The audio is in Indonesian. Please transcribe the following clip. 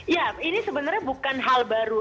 ya ini sebenarnya bukan hal baru